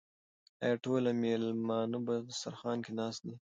آیا ټول مېلمانه په دسترخوان کې ناست دي؟